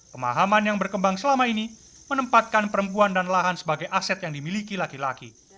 pemahaman yang berkembang selama ini menempatkan perempuan dan lahan sebagai aset yang dimiliki laki laki